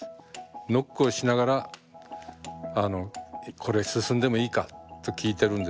ノックをしながらあのこれ進んでもいいかと聞いてるんですよ。